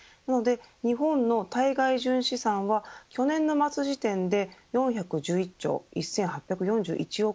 日本の対外純資産は去年の末時点で４１１兆１８４１億